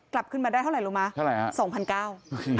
กลับคืนมาได้เท่าไหร่ลูกม้าเท่าไหร่ครับ